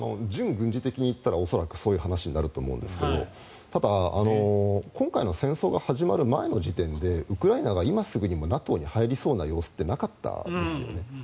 準軍事的に言ったら恐らくそういう話になると思うんですがただ、今回の戦争が始まる前の時点でウクライナが今すぐにもＮＡＴＯに入りそうな様子ってなかったですよね。